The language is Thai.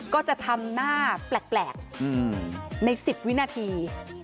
ก็จะทำหน้าแปลกใน๑๐วินาที